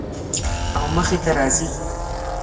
او مخې ته راځي